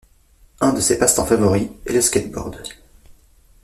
Un de ses passes temps favoris est le skateboard.